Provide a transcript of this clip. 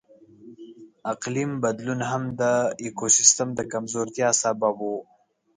اقلیم بدلون هم د ایکوسیستم د کمزورتیا سبب و.